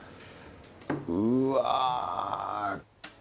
うわ。